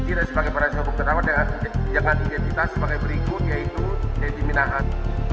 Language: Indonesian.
kita sebagai para seorang terawat dengan jangan kita sebagai berikut yaitu rezeki menahan